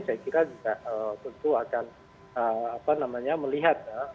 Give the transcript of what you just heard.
saya kira juga tentu akan melihat ya